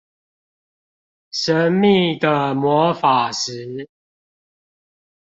神秘的魔法石